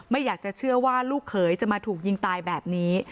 อยากจะเชื่อว่าลูกเขยจะมาถูกยิงตายแบบนี้